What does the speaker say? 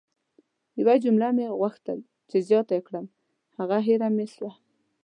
یوه جمله مې غوښتل چې زیاته ېې کړم خو هیره مې سوه!